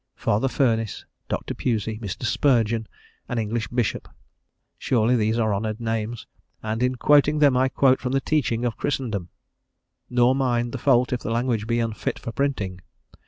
Father Furniss, Dr. Pusey, Mr. Spurgeon, an English Bishop, surely these are honoured names, and in quoting them I quote from the teaching of Christendom. Nor mine the fault if the language be unfit for printing.